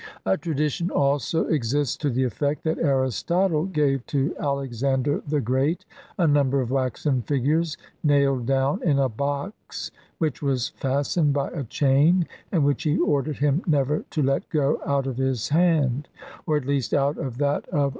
A tradition also exists to the effect that Aristotle gave to Alexander the Great a number of waxen figures nailed down in a box which was fastened by a chain, and which he ordered him never to let go out of his own hand, or at least out of that of one THE MAGIC.